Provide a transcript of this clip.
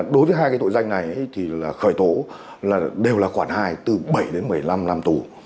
đối với hai tội danh này khởi tổ đều là khoảng hai từ bảy đến một mươi năm năm tù